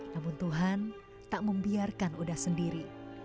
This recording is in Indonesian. namun tuhan tak membiarkan uda sendiri